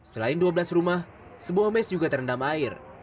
selain dua belas rumah sebuah mes juga terendam air